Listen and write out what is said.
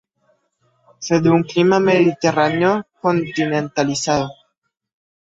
Se da un clima mediterráneo continentalizado.